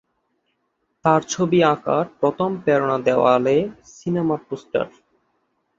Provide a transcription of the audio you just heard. তার ছবি আকার প্রথম প্রেরণা দেওয়ালে সিনেমার পোস্টার।